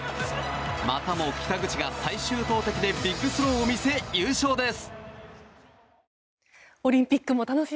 またも北口が、最終投てきでビッグスローを見せ優勝です。